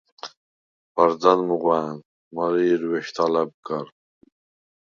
ბარდან მუღვა̄̈ნ, მარე ჲერვეშდ ალა̈ბ გარ.